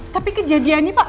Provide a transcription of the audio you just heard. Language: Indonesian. tapi kejadiannya pak